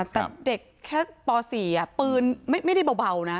แต่เด็กแค่ป๔ปืนไม่ได้เบานะ